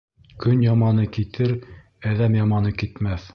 Көн яманы китер, әҙәм яманы китмәҫ.